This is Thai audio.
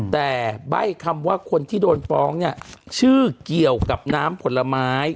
แต่ใบ้คำว่าคนที่โดนฟ้องเนี่ยชื่อเกี่ยวกับน้ำผลไม้